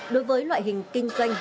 đối với loại hình kinh doanh